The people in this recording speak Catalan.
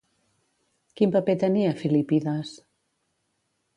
Quin paper tenia Filípides?